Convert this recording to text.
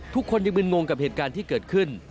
ทุกคนยังมึนงงกับเหตุการณ์ที่เกิดขึ้น